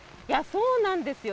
そうなんですよ。